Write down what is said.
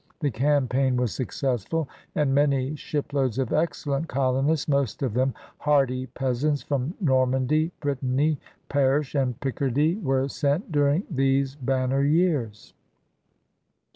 The cam paign was successful, and many shiploads of excellent colonists, most of them hardy peasants from Normandy, Brittany, Perche, and Picardy, were sent during these banner years.